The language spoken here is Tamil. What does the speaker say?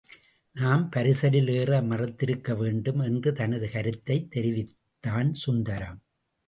நாம் பரிசலில் ஏற மறுத்திருக்க வேண்டும் என்று தனது கருத்தைத் தெரிவித்தான் சுந்தரம்.